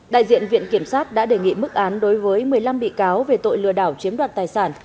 đại diện viện kiểm sát đã đề nghị mức án đối với một mươi năm bị cáo về tội lừa đảo chiếm đoạt tài sản